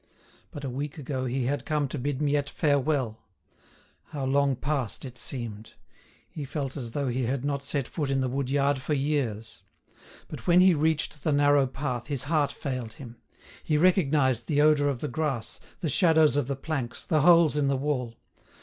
But a week ago he had come to bid Miette farewell! How long past it seemed! He felt as though he had not set foot in the wood yard for years. But when he reached the narrow path his heart failed him. He recognised the odour of the grass, the shadows of the planks, the holes in the wall.